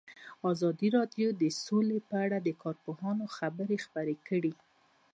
ازادي راډیو د سوله په اړه د کارپوهانو خبرې خپرې کړي.